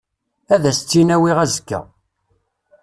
Ad as-tt-in-awiɣ azekka.